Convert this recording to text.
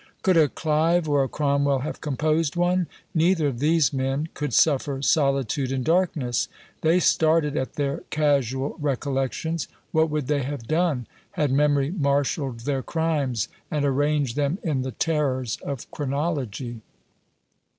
Could a Clive or a Cromwell have composed one? Neither of these men could suffer solitude and darkness; they started at their casual recollections: what would they have done, had memory marshalled their crimes, and arranged them in the terrors of chronology?